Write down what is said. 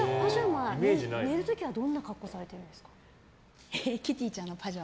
寝る時はどういう格好されてるんですか？